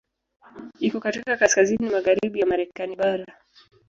Iko katika kaskazini magharibi ya Marekani bara.